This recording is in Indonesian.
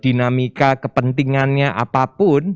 dinamika kepentingannya apapun